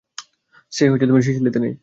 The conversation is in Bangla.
সে সিসিলিতে নেই।